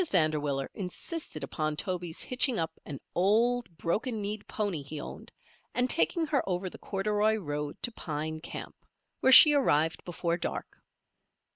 Vanderwiller insisted upon Toby's hitching up an old, broken kneed pony he owned, and taking her over the corduroy road to Pine Camp, where she arrived before dark.